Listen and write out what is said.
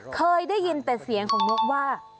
เคยได้ยินแต่เสียงของนกว่า